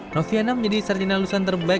noviana menjadi sarjina lulusan terbaik